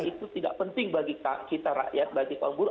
itu tidak penting bagi kita rakyat bagi kawan guru